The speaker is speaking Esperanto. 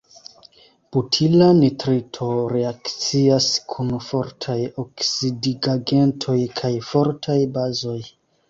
Butila nitrito reakcias kun fortaj oksidigagentoj kaj fortaj bazoj.